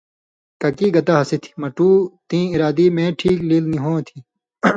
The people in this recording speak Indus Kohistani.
ککی گتہ ہسی تھی”مٹو تیں ارادی مے ٹھِک لیل نی ہوں تھی“۔